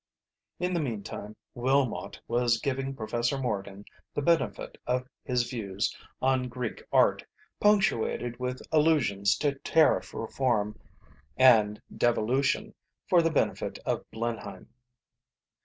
In the meantime Willmott was giving Professor Morgan the benefit of his views on Greek art, punctuated with allusions to Tariff Reform and devolution for the benefit of Blenheim.